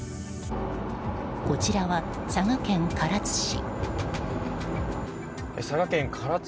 こちらは佐賀県唐津市。